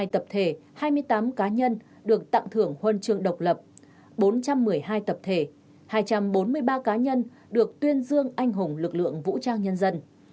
hai mươi tập thể hai mươi tám cá nhân được tặng thưởng huân chương độc lập bốn trăm một mươi hai tập thể hai trăm bốn mươi ba cá nhân được tuyên dương anh hùng lực lượng vũ trang nhân dân